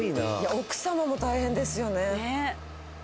奥様も大変ですよね。